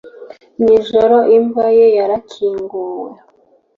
Mwijoro Imva ye yarakinguwe